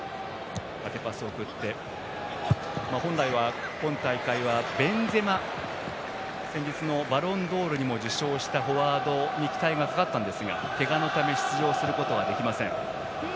本来は、今大会はベンゼマ先日のバロンドールも受賞したフォワードに期待がかかったんですがけがのため出場することができません。